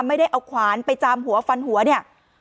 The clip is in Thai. ไม่ได้เอาขวานไปจามหัวฟันหัวเนี่ย